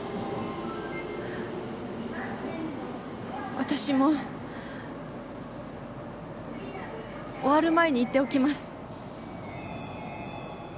私も終わる前に言っておきます